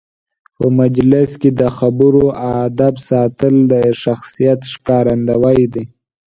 په مجلس کې د خبرو آدب ساتل د شخصیت ښکارندوی دی.